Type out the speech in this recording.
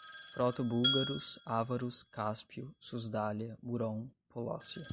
Protobúlgaros, ávaros, Cáspio, Susdália, Murom, Polócia